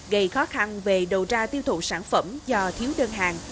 gây khó khăn về đầu ra tiêu thụ sản phẩm do thiếu đơn hàng